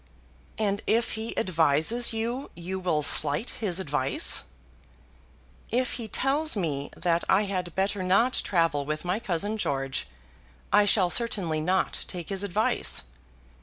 "And if he advises you you will slight his advice." "If he tells me that I had better not travel with my cousin George I shall certainly not take his advice.